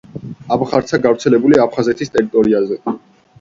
აბხარცა გავრცელებულია აფხაზეთის ტერიტორიაზე.